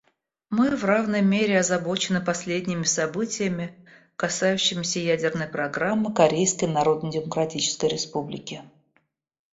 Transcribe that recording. Мы в равной мере озабочены последними событиями, касающимися ядерной программы Корейской Народно-Демократической Республики.